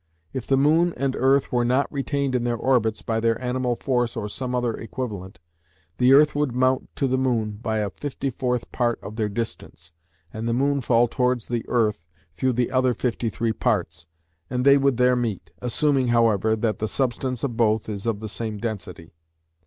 If the moon and earth were not retained in their orbits by their animal force or some other equivalent, the earth would mount to the moon by a fifty fourth part of their distance, and the moon fall towards the earth through the other fifty three parts, and they would there meet, assuming, however, that the substance of both is of the same density.